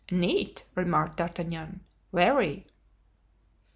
"Neat," remarked D'Artagnan. "Very!"